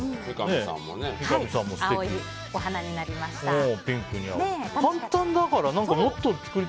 青いお花になりました。